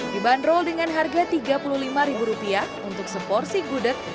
dibanderol dengan harga rp tiga puluh lima untuk seporsi gudeg